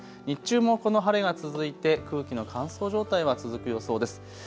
日中もこの晴れが続いて空気の乾燥状態は続く予想です。